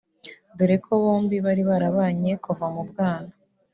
dore ko bombi bari barabanye kuva mu bwana